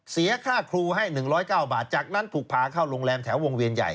เสียค่าครูให้๑๐๙บาทจากนั้นถูกพาเข้าโรงแรมแถววงเวียนใหญ่